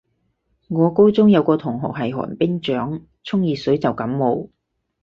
我高中有個同學係寒冰掌，沖熱水就感冒